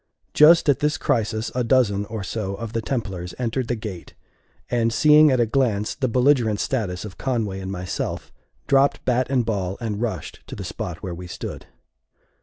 Just at this crisis a dozen or so of the Templars entered the gate, and, seeing at a glance the belligerent status of Conway and myself, dropped bat and ball, and rushed to the spot where we stood.